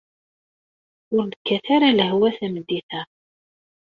Ur d-tekkat ara lehwa tameddit-a.